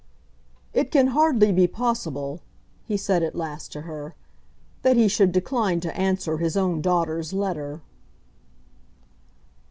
"It can hardly be possible," he said at last to her, "that he should decline to answer his own daughter's letter."